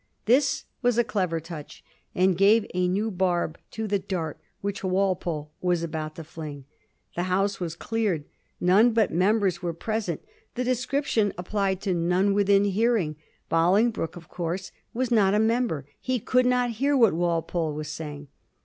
This was a clever touch, and gave a new barb to the dart which Walpole was about to fling. The House was cleared ; none but members were present ; the description applied to none within hearing. Bolingbroke, of course, was not a member ; he could not hear what Walpole was saying.